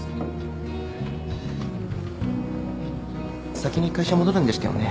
先に会社戻るんでしたよね。